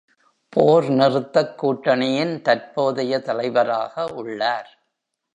போர் நிறுத்தக் கூட்டணியின் தற்போதைய தலைவராக உள்ளார்.